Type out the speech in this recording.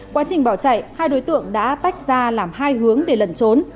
quá trình bỏ chạy hai đối tượng đã tách ra làm hai hướng để lẩn trốn